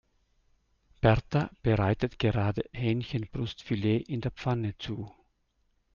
Berta bereitet gerade Hähnchenbrustfilet in der Pfanne zu.